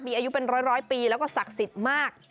มีอายุเป็นร้อยปีแล้วก็ศักดิ์สิทธิ์มาก